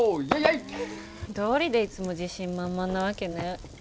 どうりでいつも自信満々なわけね。